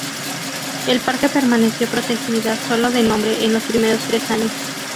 El parque permaneció protegida sólo de nombre en los primeros tres años.